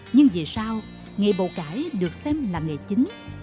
nhưng về sau nghề bầu cải được xem là nghề chính